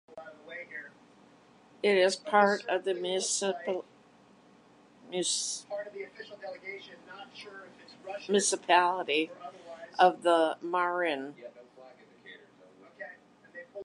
It is part of the municipality of the Marne.